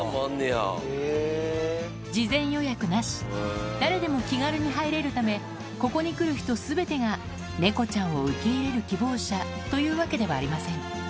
事前予約なし、誰でも気軽に入れるため、ここに来る人すべてが、猫ちゃんを受け入れる希望者というわけではありません。